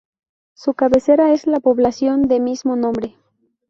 Su cabecera es la población de mismo nombre.